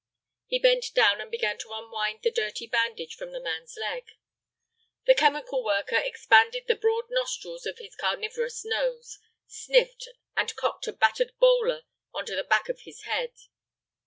He bent down and began to unwind the dirty bandage from the man's leg. The chemical worker expanded the broad nostrils of his carnivorous nose, sniffed, and cocked a battered bowler onto the back of his head.